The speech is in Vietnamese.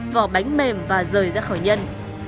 vỏ bánh mềm và rời ra khỏi nhân